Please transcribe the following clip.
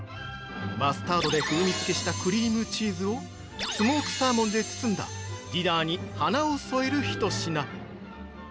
マスタードで風味付けしたクリームチーズをスモークサーモンで包んだディナーに花を添える一品。